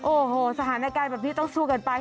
โอ้โหสถานการณ์แบบนี้ต้องสู้กันไป